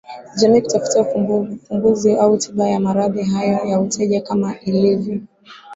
jamii kutafuta ufumbuzi au tiba ya maradhi hayo ya uteja kama ilivyo